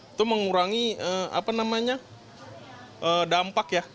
itu mengurangi dampak ya